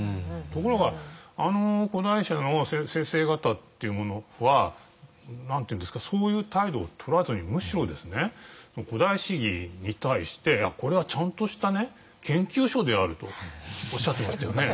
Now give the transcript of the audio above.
ところがあの古代史の先生方っていうのはそういう態度をとらずにむしろ「古代史疑」に対してこれはちゃんとした研究書であるとおっしゃってましたよね。